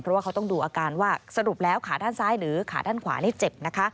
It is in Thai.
เพราะว่าเขาต้องดูอาการว่าสรุปแล้วขาด้านซ้ายหรือขาด้านขวานี่เจ็บนะคะ